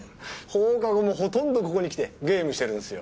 放課後もほとんどここに来てゲームしてるんですよ。